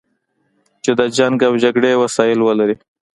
چې د جنګ او جګړې وسایل ولري.